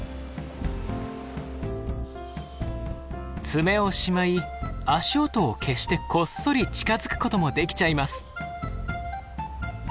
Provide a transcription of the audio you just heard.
爪をしまい足音を消してこっそり近づくこともできちゃいます。